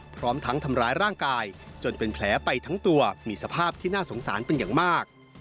พร้อมทั้งทำร้ายร่างกายจนเป็นแผลไปทั้งตัวมีสภาพที่น่าสงสารเป็นอย่างมาก